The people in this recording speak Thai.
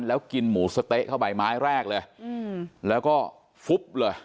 แล้วกินหมูสะเต๊ะเข้าไปไม้แรกเลยแล้วก็ฟุ๊บเลย